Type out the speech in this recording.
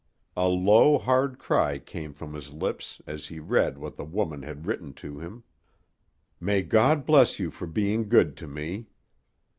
A low, hard cry came from his lips as he read what the woman had written to him: "May God bless you for being good to me.